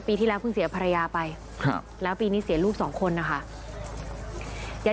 ที่แล้วเพิ่งเสียภรรยาไปแล้วปีนี้เสียลูกสองคนนะคะ